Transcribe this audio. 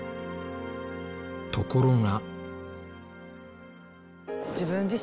ところが。